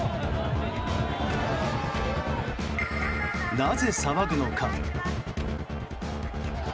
なぜ騒ぐのか。